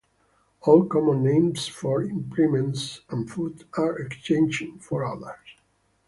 All common names for implements and food are exchanged for others.